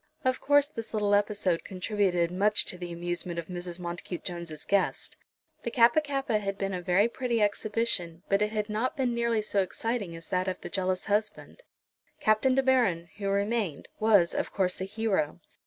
Of course this little episode contributed much to the amusement of Mrs. Montacute Jones's guests. The Kappa kappa had been a very pretty exhibition, but it had not been nearly so exciting as that of the jealous husband. Captain De Baron, who remained, was, of course, a hero.